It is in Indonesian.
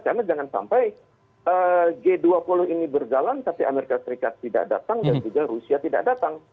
karena jangan sampai g dua puluh ini berjalan tapi amerika serikat tidak datang dan juga rusia tidak datang